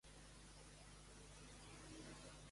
Amb qui es va unir en matrimoni Driope més endavant?